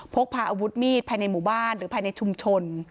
พกพาอาวุธมีดภายในหมู่บ้านหรือภายในชุมชน